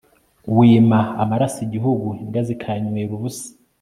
wima amaraso igihugu imbwa zikayanywera ubusa